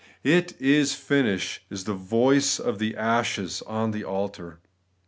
'It is finished,' was the voice of the ashes on the altar.